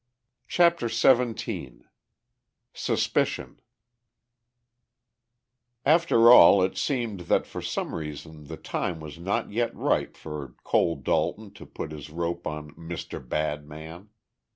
CHAPTER XVII SUSPICION After all it seemed that for some reason the time was not yet ripe for Cole Dalton to put his rope on "Mr. Badman".